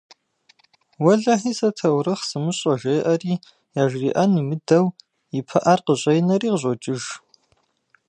Уэлэхьи, сэ таурыхъ сымыщӏэ, - жери, яжриӏэн имыдэу, и пыӏэр къыщӏенэри къыщӏокӏыж.